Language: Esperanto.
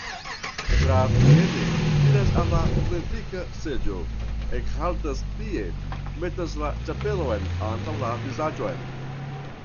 Gravmiene iras al la predika seĝo, ekhaltas tie, metas la ĉapelon antaŭ la vizaĝon.